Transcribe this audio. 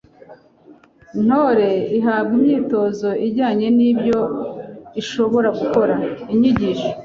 Ntore ihabwa imyitozo ijyanye n’ibyo ishobora gukora, inyigisho